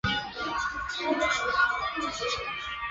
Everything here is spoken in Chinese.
若有其他不错的也欢迎推荐